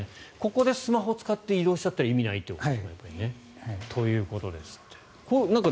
ここでスマホを使って移動しちゃったら意味ないんですかねということですって。